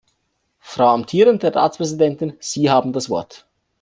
Frau amtierende Ratspräsidentin, Sie haben das Wort.